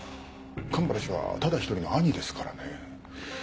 神原氏はただ一人の兄ですからね。